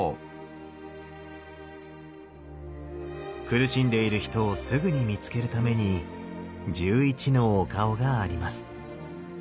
苦しんでいる人をすぐに見つけるために１１のお顔があります。